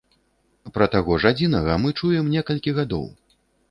Пра таго ж адзінага мы чуем некалькі гадоў.